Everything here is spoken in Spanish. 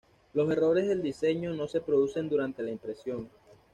Los errores del diseño no se producen durante la impresión.